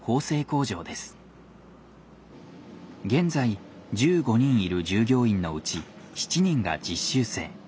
現在１５人いる従業員のうち７人が実習生。